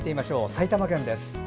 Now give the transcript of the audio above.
埼玉県です。